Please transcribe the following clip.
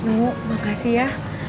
oh makasih ya